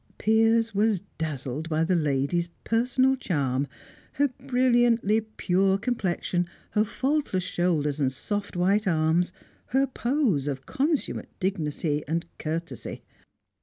Piers was dazzled by the lady's personal charm; her brilliantly pure complexion, her faultless shoulders and soft white arms, her pose of consummate dignity and courtesy.